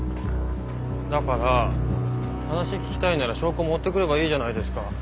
だから話聞きたいなら証拠持ってくればいいじゃないですか。